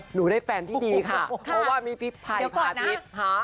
หนูได้แฟนที่ดีค่ะเพราะว่ามีพี่ภัยพาทิศค่ะ